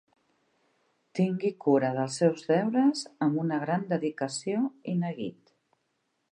Tingui cura dels seus deures amb una gran dedicació i neguit.